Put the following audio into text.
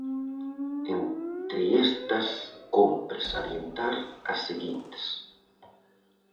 Entre estas, cómpre salientar as seguintes: